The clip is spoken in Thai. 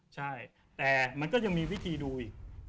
ใช่แต่มันก็ยังมีวิธีดูอีก